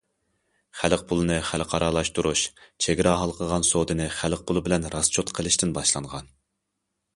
خەلق پۇلىنى خەلقئارالاشتۇرۇش چېگرا ھالقىغان سودىنى خەلق پۇلى بىلەن راسچوت قىلىشتىن باشلانغان.